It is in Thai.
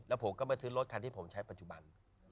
แล้วผมก็มาซื้อรถคันที่ผมใช้ปัจจุบัน